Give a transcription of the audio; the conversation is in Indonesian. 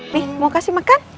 nih mau kasih makan